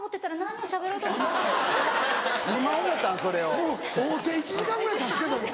もう会うて１時間ぐらいたつけども。